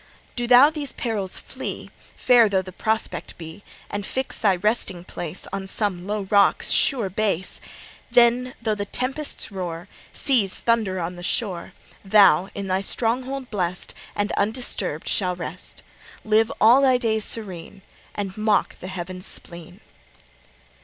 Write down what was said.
Do thou these perils flee, Fair though the prospect be, And fix thy resting place On some low rock's sure base. Then, though the tempests roar, Seas thunder on the shore, Thou in thy stronghold blest And undisturbed shalt rest; Live all thy days serene, And mock the heavens' spleen.